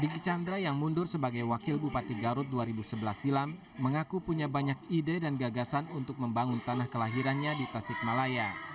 diki chandra yang mundur sebagai wakil bupati garut dua ribu sebelas silam mengaku punya banyak ide dan gagasan untuk membangun tanah kelahirannya di tasikmalaya